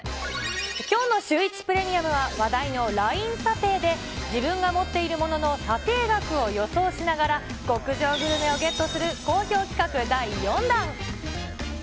きょうのシューイチプレミアムは、話題のＬＩＮＥ査定で、自分が持っているものの査定額を予想しながら、極上グルメをゲットする好評企画第４弾。